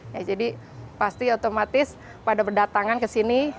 ya jadi pasti otomatis pada kedatangan kesini